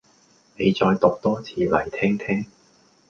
你再讀多次嚟聽聽